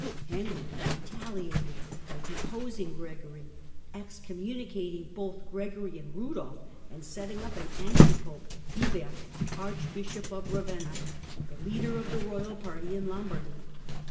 Henry retaliated by deposing Gregory, excommunicating both Gregory and Rudolf, and setting up an anti pope, Wibert, Archbishop of Eavenna, the leader of the royal party in Lombardy.